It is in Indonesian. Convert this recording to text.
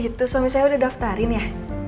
gitu suami saya udah daftarin ya